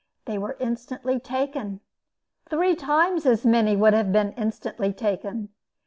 They were instantly taken. Three times as many would have been instantly taken.